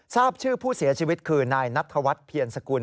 ทราบชื่อผู้เสียชีวิตคือนายนัทธวัฒน์เพียรสกุล